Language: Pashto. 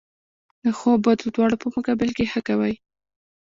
د ښو او بدو دواړو په مقابل کښي ښه کوئ!